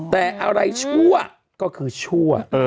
แต่อะไรชั่วก็คือชั่ว